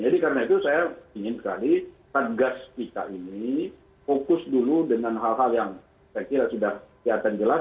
jadi karena itu saya ingin sekali tegas kita ini fokus dulu dengan hal hal yang saya kira sudah kelihatan gelas